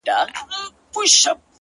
ما د وحشت په زمانه کي زندگې کړې ده،